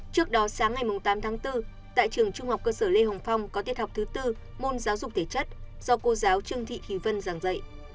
trước đó sáng ngày tám tháng bốn tại trường trung học cơ sở lê hồng phong có tiết học thứ tư môn giáo dục thể chất do cô giáo trương thị thùy vân giảng dạy